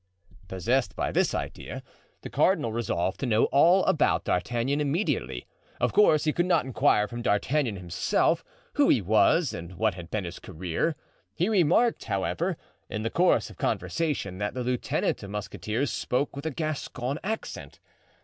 * "The Three Musketeers." Possessed by this idea, the cardinal resolved to know all about D'Artagnan immediately; of course he could not inquire from D'Artagnan himself who he was and what had been his career; he remarked, however, in the course of conversation that the lieutenant of musketeers spoke with a Gascon accent.